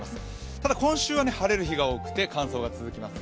ただ今週は晴れる日が多くて乾燥も続きますよ。